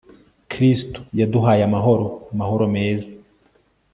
r/ kristu yaduhay'amahoro, amahoro meza